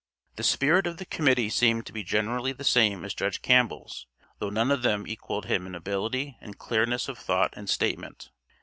The spirit of the committee seemed to be generally the same as Judge Campbell's, though none of them equalled him in ability and clearness of thought and statement.